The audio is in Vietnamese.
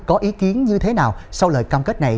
có ý kiến như thế nào sau lời cam kết này